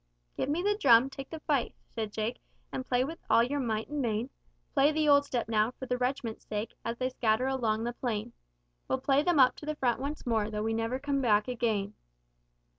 'Give me the drum, take the fife,' said Jake, 'And with all your might and main, Play the old step now, for the reg'ment's sake As they scatter along the plain. We'll play them up to the front once more, Tho' we never come back again.'